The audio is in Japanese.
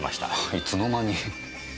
いつの間に。